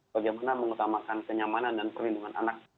bagaimana mengutamakan kenyamanan dan perlindungan anak